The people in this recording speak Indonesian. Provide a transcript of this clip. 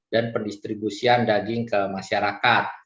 dan pendistribusian daging ke masyarakat